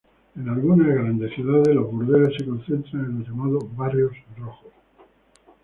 En algunas grandes ciudades los burdeles se concentran en los llamados barrios rojos.